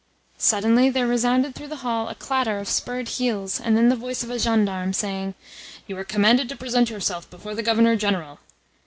Suddenly there resounded through the hall a clatter of spurred heels, and then the voice of a gendarme saying: "You are commanded to present yourself before the Governor General!"